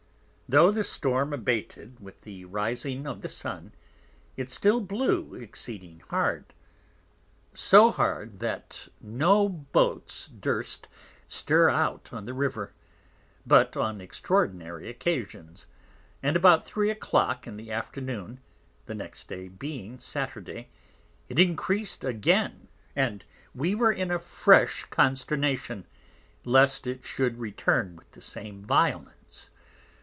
Though the Storm abated with the rising of the Sun, it still blew exceeding hard; so hard, that no Boats durst stir out on the River, but on extraordinary Occasions: and about Three a Clock in the Afternoon, the next Day being Saturday, it increas'd again, and we were in a fresh Consternation, lest it should return with the same Violence.